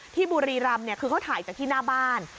ที่บุรีรำเนี่ยคือเขาถ่ายจากที่หน้าบ้าน